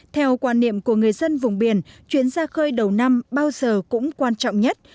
theo quan niệm của người dân vùng biển chuyến ra khơi đầu năm bao giờ cũng quan trọng nhất